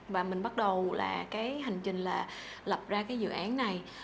và mình bắt đầu là cái hành trình là lập ra cái dự án này